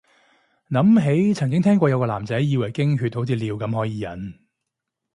諗起曾經聽過有男仔以為經血好似尿咁可以忍